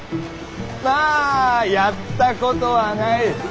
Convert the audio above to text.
⁉まあやったことはないが！